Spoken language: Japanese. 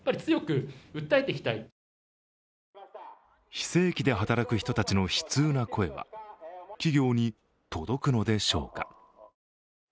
非正規で働く人たちの悲痛な声は企業に届くのでしょうか。